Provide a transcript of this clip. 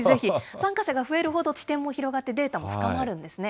参加者が増えるほど地点も広がって、データも深まるんですね。